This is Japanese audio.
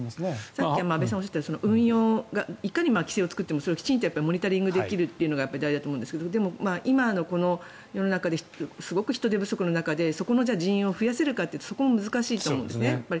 さっき安部さんがおっしゃったいかに規制を作ってもそれをきちんとモニタリングできるというのが大事だと思うんですが今、この世の中ですごく人手不足の中で人員を増やせるかというとそこも難しいと思います。